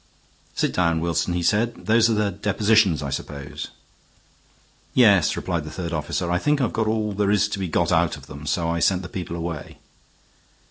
"Sit down, Wilson," he said. "Those are the depositions, I suppose." "Yes," replied the third officer. "I think I've got all there is to be got out of them, so I sent the people away."